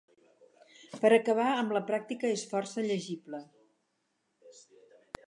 Per acabar, amb la pràctica és força llegible.